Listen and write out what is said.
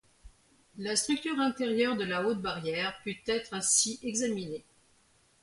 La structure intérieure de la haute barrière put être ainsi examinée.